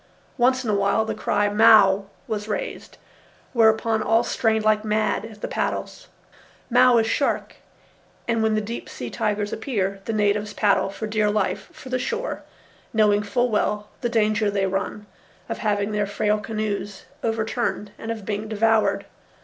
Once in a while the cry Mao! was raised, whereupon all strained like mad at the paddles. Mao is shark, and when the deep sea tigers appear, the natives paddle for dear life for the shore, knowing full well the danger they run of having their frail canoes overturned and of being devoured.